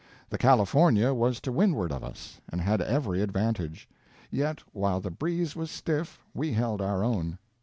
The California was to windward of us, and had every advantage; yet, while the breeze was stiff we held our own.